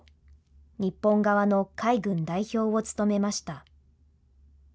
日本側の海軍代表を務めました。